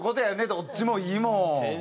どっちもいいもん。